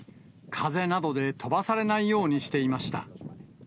風などで飛ばされないようにしていました。